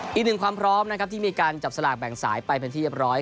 อีกหนึ่งความพร้อมนะครับที่มีการจับสลากแบ่งสายไปเป็นที่เรียบร้อย